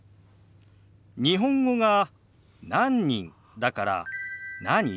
日本語が「何人」だから「何？」